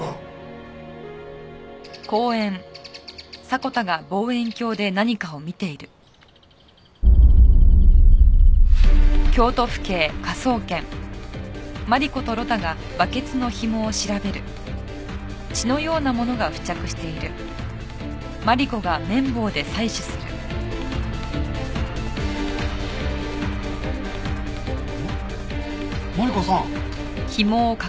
マリコさん！